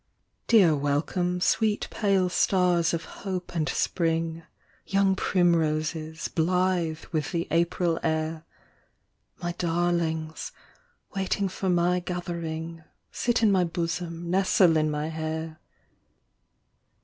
Dear welcome, sweet pale stars of hope and spring, Young primroses, blithe with the April air ; My darlings, waiting for my gathering. Sit in my bosom, nestle in my hair.